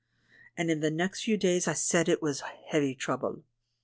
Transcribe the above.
And in the next few days I said it was heavy trouble.